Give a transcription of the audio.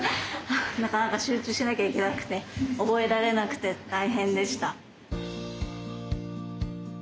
なかなか集中しなきゃいけなくて覚えられなくて大変でした。